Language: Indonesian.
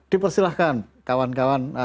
dipersilahkan kawan kawan teman teman